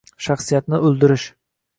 Shaxsiyatni o‘ldirish